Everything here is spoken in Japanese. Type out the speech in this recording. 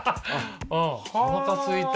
おなかすいた。